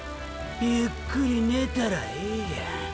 ゆっくり寝たらええやん。